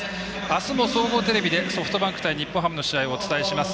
あすも総合テレビでソフトバンク対日本ハムの試合をお伝えします。